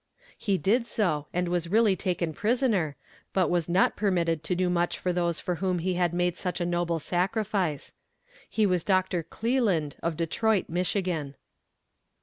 He did so, and was really taken prisoner, but was not permitted to do much for those for whom he had made such a noble sacrifice. He was Doctor Cleland, of Detroit, Michigan.